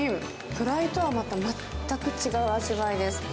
フライとはまた全く違う味わいです。